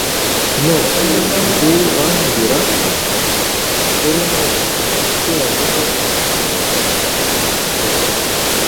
no guangira amakuru nabakiriya kubyo baguze imyambaro bahita bayibona